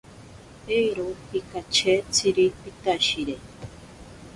Ero pikachetziri pitashire.